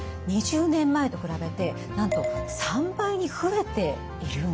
２０年前と比べてなんと３倍に増えているんです。